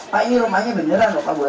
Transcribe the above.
pak ini rumahnya beneran lupa buat bapak lho